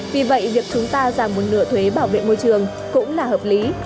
vì vậy việc chúng ta giảm một nửa thuế bảo vệ môi trường cũng là hợp lý